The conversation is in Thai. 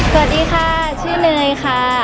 สวัสดีค่ะชื่อเนยค่ะ